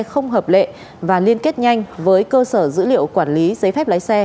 không hợp lệ và liên kết nhanh với cơ sở dữ liệu quản lý giấy phép lái xe